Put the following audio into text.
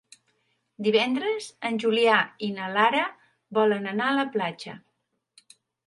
Divendres en Julià i na Lara volen anar a la platja.